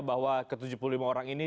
bahwa ke tujuh puluh lima orang ini